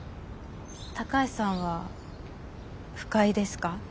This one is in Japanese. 高橋さんは不快ですか？